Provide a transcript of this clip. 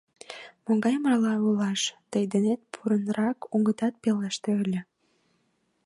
Могай марла ойлаш, тый денет порынрак огытат пелеште ыле.